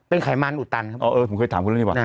เออเออผมเคยถามคุณเรื่องนี้บ้าง